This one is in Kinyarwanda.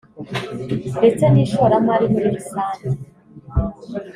ndetse n’ishoramari muri rusange